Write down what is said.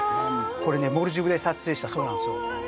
これねモルディブで撮影したそうなんすよ